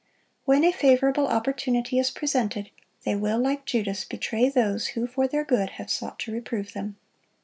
When a favorable opportunity is presented, they will, like Judas, betray those who for their good have sought to reprove them.